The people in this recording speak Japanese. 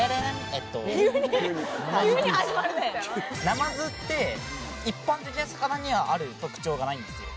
ナマズって一般的な魚にはある特徴がないんですよ。